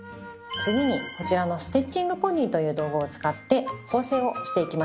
次にこちらのステッチングポニーという道具を使って縫製をしていきましょう。